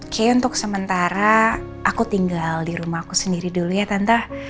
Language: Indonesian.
kayaknya untuk sementara aku tinggal di rumah aku sendiri dulu ya tante